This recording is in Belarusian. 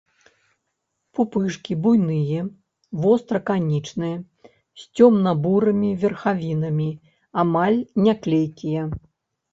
Пупышкі буйныя, востра-канічныя, з цёмна-бурымі верхавінамі, амаль не клейкія.